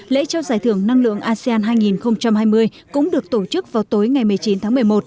lễ trao giải thưởng năng lượng asean hai nghìn hai mươi cũng được tổ chức vào tối ngày một mươi chín tháng một mươi một